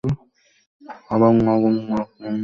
আবার নগণ্য এক মানুষ বনে গেলাম।